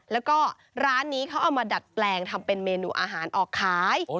แล้วก็ร้านนี้เขาเอามาดัดแปลงทำเป็นเมนูอาหารออกขาย